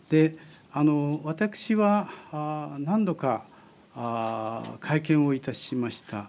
私は何度か会見をいたしました。